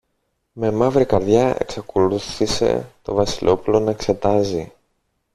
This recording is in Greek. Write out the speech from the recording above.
Με μαύρη καρδιά εξακολούθησε το Βασιλόπουλο να εξετάζει.